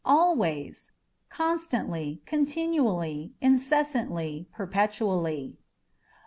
Always â€" constantly, continually, incessantly, perpetually.